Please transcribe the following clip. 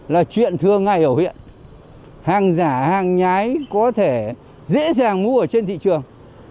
là chuyện thường ngày ở huyện hàng giả hàng nhái có thể dễ dàng mua ở trên thị trường